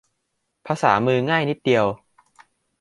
ภาษามือ ง่ายนิดเดียว